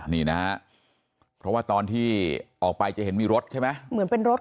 นี่นะฮะเพราะว่าตอนที่ออกไปจะเห็นมีรถใช่ไหมเหมือนเป็นรถ